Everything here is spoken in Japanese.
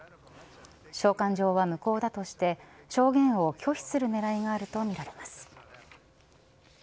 召喚状は無効だとして証言を拒否する狙いがあるとみられます。